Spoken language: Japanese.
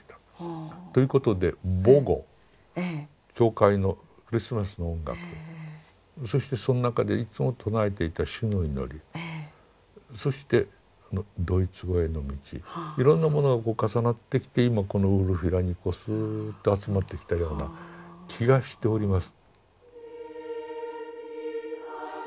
ということで母語教会のクリスマスの音楽そしてそん中でいつも唱えていた「主の祈り」そしてドイツ語への道いろんなものが重なってきて今このウルフィラにスーッと集まってきたような気がしております。